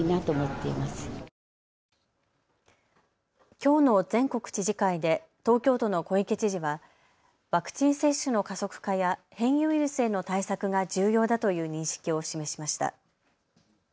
きょうの全国知事会で東京都の小池知事はワクチン接種の加速化や変異ウイルスへの対策が重要だという認識を示しました。